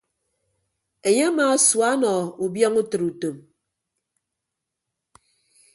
Enye amaasua ọnọ ubiọñ utịre utom.